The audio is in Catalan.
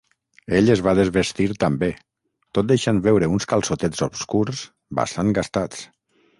Ell es va desvestir també, tot deixant veure uns calçotets obscurs bastant gastats.